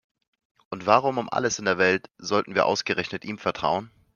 Und warum um alles in der Welt sollten wir ausgerechnet ihm vertrauen?